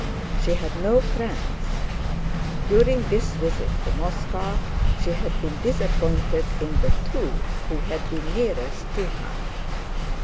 She had no friends: during this visit to Moscow she had been disappointed in the two who had been nearest to her.